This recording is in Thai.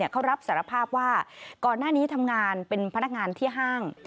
เขารับสารภาพว่าก่อนหน้านี้ทำงานเป็นพนักงานที่ห้าง